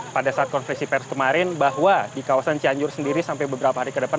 pada saat konversi pers kemarin bahwa di kawasan cianjur sendiri sampai beberapa hari ke depan